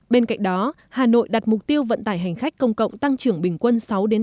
bên cạnh đó hà nội đặt mục tiêu vận tải hành khách công cộng tăng trưởng bình quân sáu năm